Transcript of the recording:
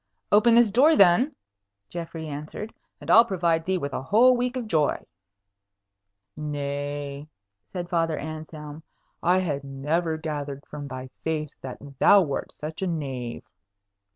"Open this door then," Geoffrey answered, "and I'll provide thee with a whole week of joy." "Nay," said Father Anselm, "I had never gathered from thy face that thou wert such a knave."